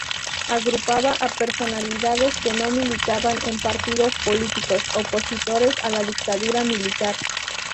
Agrupaba a personalidades que no militaban en partidos políticos, opositores a la dictadura militar.